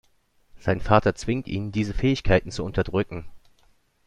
Sein Vater zwingt ihn, diese Fähigkeit zu unterdrücken.